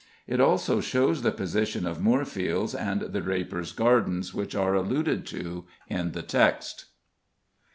It also shows the position of Moorfields, and the Drapers' Garden, which are alluded to in the text.